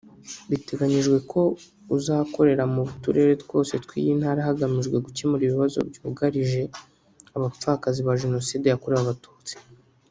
Biteganyijwe ko uzakorera mu turere twose tw’iyi Ntara hagamijwe gukemura ibibazo byugarije abapfakazi ba Jenoside yakorewe Abatutsi